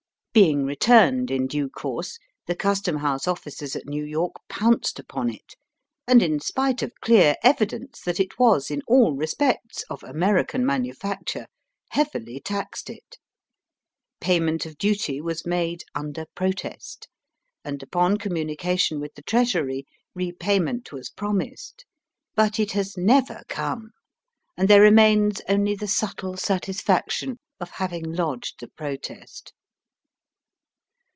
Being returned in due course, the Custom House officers at New York pounced upon it, and in spite of clear evidence that it was in all respects of American manufactm e, heavily taxed it. Payment of duty was made under protest, and upon com munication with the Treasury repayment was promised. But it has never come, and there remains only the subtle satisfaction of having lodged the protest.